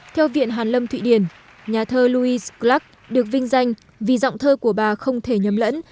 theo viện hàn lâm thụy điển nhà thơ louis clark được vinh danh vì giọng thơ của bà không thể nhầm lẫn